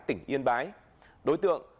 tỉnh yên bái đối tượng